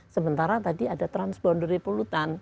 sementara tadi ada transbonder repulutan